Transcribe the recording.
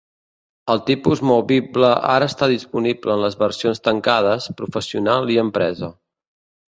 El tipus movible ara està disponible en les versions tancades "Professional" i "Empresa".